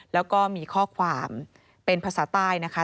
แล้วก็มีข้อความเป็นภาษาใต้นะคะ